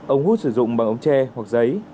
ông hút sử dụng bằng ống tre hoặc giấy